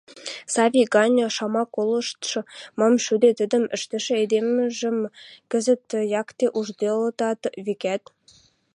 Савик гань шамак колыштшы, мам шӱдет, тӹдӹм ӹштӹшӹ эдемжӹм кӹзӹт якте ужделытат, векӓт.